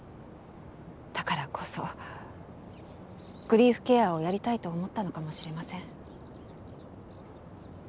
だからこそグリーフケアをやりたいと思ったのかもしれません。